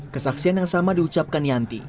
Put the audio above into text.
kesaksian yang sama diucapkan yanti